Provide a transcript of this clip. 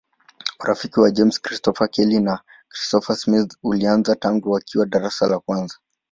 Urafiki wa James Christopher Kelly na Christopher Smith ulianza tangu wakiwa darasa la kwanza.